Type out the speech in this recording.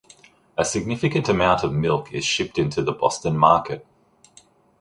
A significant amount of milk is shipped into the Boston market.